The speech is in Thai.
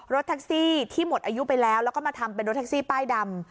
รถแท็กซี่ที่หมดอายุไปแล้วแล้วก็มาทำเป็นรถแท็กซี่ป้ายดำ